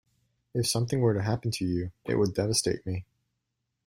If something were to happen to you, it would devastate me.